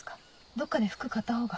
どっかで服買ったほうが。